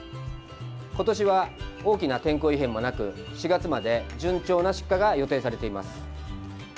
今年は大きな天候異変もなく４月まで順調な出荷が予定されます。